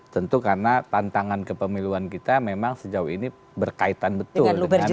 tentu karena tantangan kepemiluan kita memang sejauh ini berkaitan betul dengan